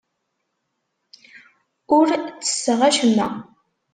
Ur ttesseɣ acemma.